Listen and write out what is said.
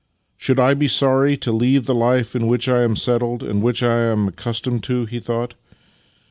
" Should I be sorry to leave the life in which I am settled and which I am accustomed to? " he thought.